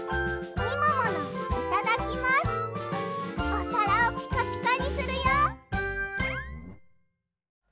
おさらをピカピカにするよ！